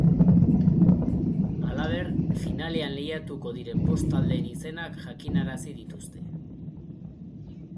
Halaber, finalean lehiatuko diren bost taldeen izenak jakinarazi dituzte.